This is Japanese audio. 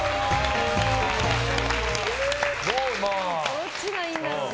どっちがいいんだろうな。